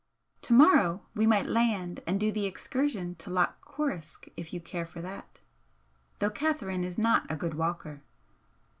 To morrow we might land and do the excursion to Loch Coruisk if you care for that, though Catherine is not a good walker."